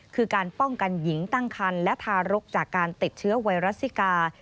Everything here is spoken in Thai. คือการป้องกันหญิงตั้งคันและทารกจากการติดเชื้อไวรัสซิกา